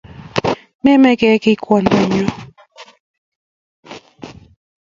Memeke kiy kwongdonyu.